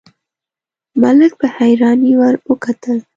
ملک په حيرانۍ ور وکتل: